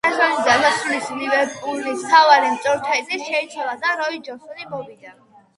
სეზონის დასასრულს ლივერპულის მთავარი მწვრთნელი შეიცვალა და როი ჰოჯსონი მოვიდა.